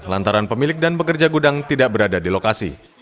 lantaran pemilik dan pekerja gudang tidak berada di lokasi